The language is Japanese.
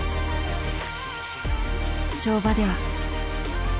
跳馬では。